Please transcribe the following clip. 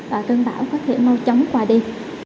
và cơn bão có thể mau chóng qua đi